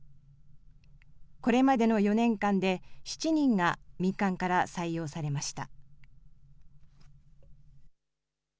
これまでの４年間で、７人が民間から採用されました。